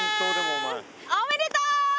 おめでとう！